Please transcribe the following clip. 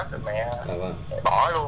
rồi mẹ bỏ luôn